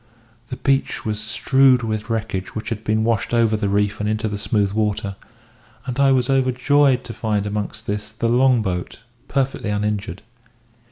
The beach was strewed with wreckage which had been washed over the reef and into the smooth water; and I was overjoyed to find amongst this the long boat, perfectly uninjured.